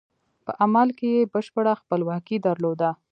په عمل کې یې بشپړه خپلواکي درلوده.